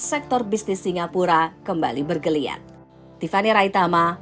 sektor bisnis singapura kembali bergeliat